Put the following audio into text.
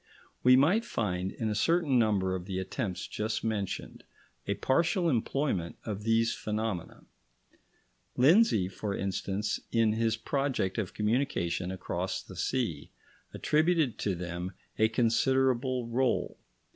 We might find, in a certain number of the attempts just mentioned, a partial employment of these phenomena. Lindsay, for instance, in his project of communication across the sea, attributed to them a considerable rôle.